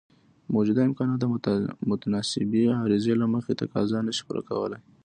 موجوده امکانات د متناسبې عرضې له مخې تقاضا نشي پوره کولای.